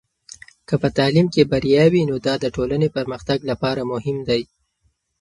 که په تعلیم کې بریا وي، نو دا د ټولنې پرمختګ لپاره مهم دی.